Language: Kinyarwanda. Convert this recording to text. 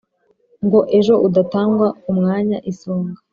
ngo ejo udatangwa umwanya i songa